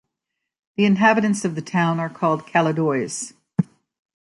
The inhabitants of the town are called "Caladois".